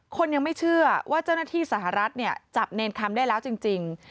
คนยังไม่เชื่อว่าเจ้าหน้าที่สหรัฐเนี่ยจับเนรคำได้แล้วจริง